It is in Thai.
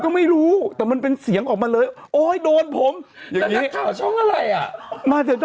โอ้ยยะสลบหมิเนี่ยเจอ